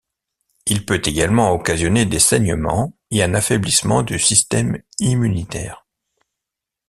Il peut également occasionner des saignements et un affaiblissement du système immunitaire.